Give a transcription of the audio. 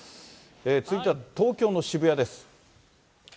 続いては東京の渋谷です。